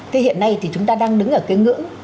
thế hiện nay thì chúng ta đang đứng ở cái ngưỡng